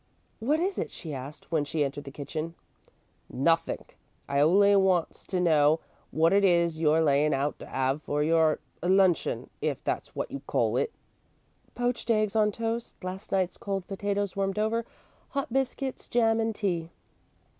"What is it?" she asked, when she entered the kitchen. "Nothink. I only wants to know wot it is you're layin' out to 'ave for your luncheon, if that's wot you call it." "Poached eggs on toast, last night's cold potatoes warmed over, hot biscuits, jam, and tea."